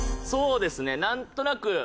そうですねなんとなく。